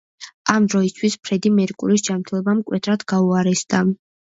ამ დროისთვის ფრედი მერკურის ჯანმრთელობა მკვეთრად გაუარესდა.